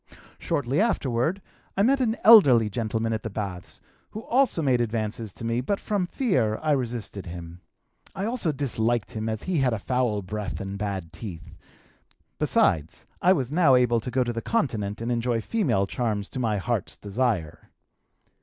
"Shortly afterward I met an elderly gentleman at the baths who also made advances to me, but from fear I resisted him. I also disliked him as he had a foul breath and bad teeth; besides I was now able to go to the Continent and enjoy female charms to my heart's desire.